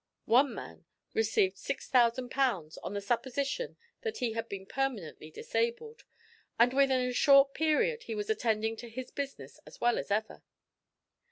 One man received 6000 pounds on the supposition that he had been permanently disabled, and within a short period he was attending to his business as well as ever.